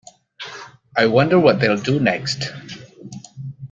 I wonder what they’ll do next!